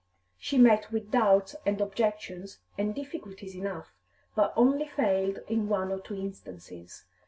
She met with doubts and objections and difficulties enough, but only failed in one or two instances.